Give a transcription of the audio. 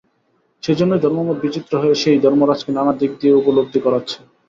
সেইজন্যেই ধর্মমত বিচিত্র হয়ে সেই ধর্মরাজকে নানা দিক দিয়ে উপলব্ধি করাচ্ছে।